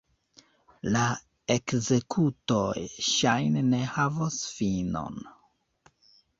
La ekzekutoj ŝajne ne havos finon.